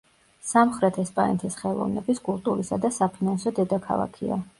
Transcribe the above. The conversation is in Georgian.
სამხრეთ ესპანეთის ხელოვნების, კულტურისა და საფინანსო დედაქალაქია.